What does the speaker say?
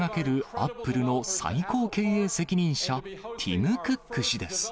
アップルの最高経営責任者、ティム・クック氏です。